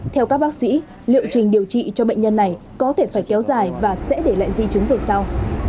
theo các bác sĩ liệu trình điều trị cho bệnh nhân này có thể phải kéo dài và sẽ để lại di chứng về sau